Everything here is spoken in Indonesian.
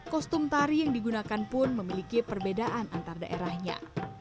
kostum tari yang digunakan pun memiliki perbedaan antar daerahnya